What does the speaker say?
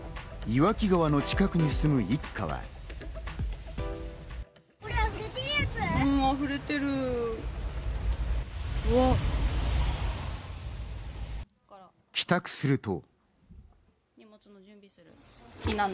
岩木川の近くに住む一家は。帰宅すると。